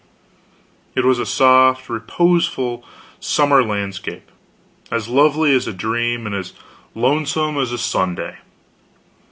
It was a soft, reposeful summer landscape, as lovely as a dream, and as lonesome as Sunday.